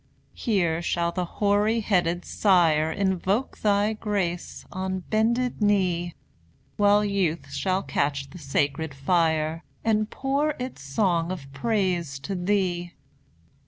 Here shall the hoary headed sire Invoke thy grace, on bended knee; While youth shall catch the sacred fire, And pour its song of praise to Thee.